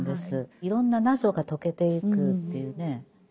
いろんな謎が解けていくっていうね。